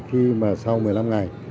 khi mà sau một mươi năm ngày